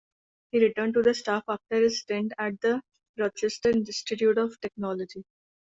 He returned to the staff after his stint at the Rochester Institute of Technology.